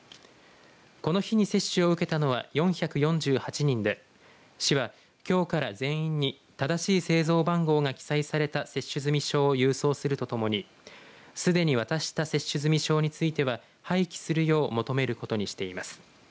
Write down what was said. この日に接種を受けたのは４４８人で市は、きょうから全員に正しい製造番号が記載された接種済証を郵送するとともにすでに渡した接種済証については廃棄するよう求めることにしています。